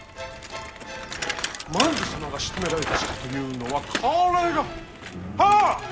万寿様がしとめられた鹿というのはこれがはあっ！